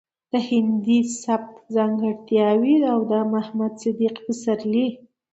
د هندي سبک ځانګړټياوې او د محمد صديق پسرلي